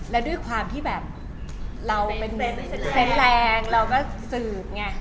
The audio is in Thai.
แล้วด้วยความที่แบบเราเป็นเซนต์แรงเราก็สืบไง